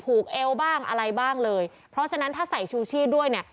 เอวบ้างอะไรบ้างเลยเพราะฉะนั้นถ้าใส่ชูชีพด้วยเนี่ย